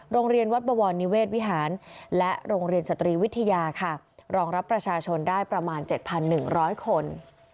โรงเรียนวัดบวรนิเวศวิหารและโรงเรียนสตรีวิทยาค่ะรองรับประชาชนได้ประมาณ๗๑๐๐คน